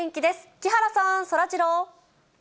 木原さん、そらジロー。